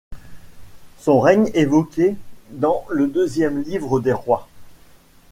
Son règne, évoqué dans le Deuxième livre des Rois.